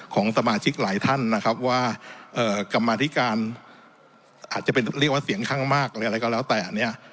ของสมาชิกหลายท่านนะครับว่ากรรมาธิการอาจจะเป็นเรียกว่าเสียงข้างมากหรืออะไรก็แล้วแต่เนี่ย